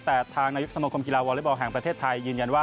แต่ทางนายุบสมมุมฯวอเลบอลห่างประเทศไทยยืนยันว่า